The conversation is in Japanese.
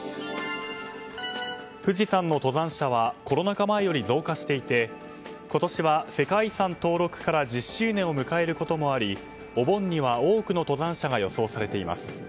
富士山の登山者はコロナ禍前より増加していて今年は世界遺産登録から１０周年を迎えることもありお盆には多くの登山者が予想されています。